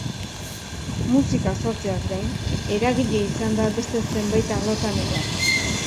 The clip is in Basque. Musika sortzeaz gain, eragile izan da beste zenbait arlotan ere.